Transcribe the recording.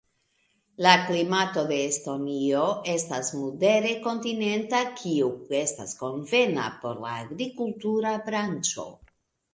La klimato de Estonio estas modere kontinenta, kio estas konvena por la agrikultura branĉo.